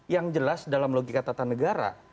yang jelas dalam logika tata negara